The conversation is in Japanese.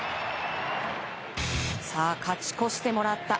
さあ、勝ち越してもらった